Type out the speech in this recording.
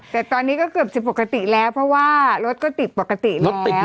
แต่ตอนนี้ก็เกือบจะปกติแล้วเพราะว่ารถก็ติดปกติแล้ว